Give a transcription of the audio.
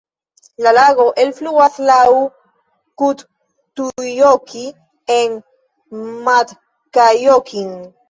La lago elfluas laŭ Kettujoki en Matkajokin.